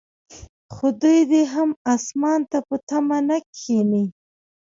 خو دوی دې هم اسمان ته په تمه نه کښیني.